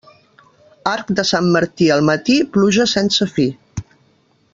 Arc de Sant Martí al matí, pluja sense fi.